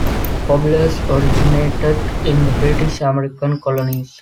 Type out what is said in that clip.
Cobblers originated in the British American colonies.